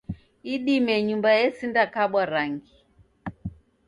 Idime nyumba esinda kabwa rangi